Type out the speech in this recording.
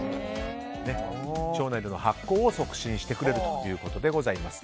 腸内で発酵を促進してくれるということです。